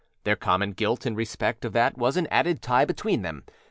Their common guilt in respect of that was an added tie between them.